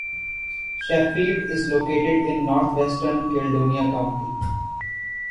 Sheffield is located in northwestern Caledonia County.